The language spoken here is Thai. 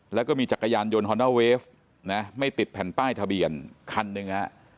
แล้วก็มีจักรยานยนต์ฮอนด้าเวฟนะไม่ติดแผ่นป้ายทะเบียนคันหนึ่งฮะ